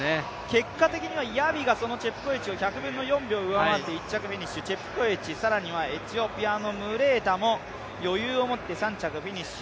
結果的にはヤビがチェプコエチを１００分の４秒上回って１着フィニッシュ、チェプコエチ、更にはエチオピアのムレータも余裕を持って３着フィニッシュ。